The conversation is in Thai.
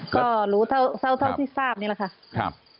ก็รู้เท่าที่ทราบนี่แหละค่ะ